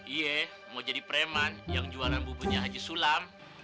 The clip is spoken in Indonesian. iya mau jadi preman yang jualan bubunya haji sulam